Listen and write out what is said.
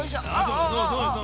そうそうそうそう。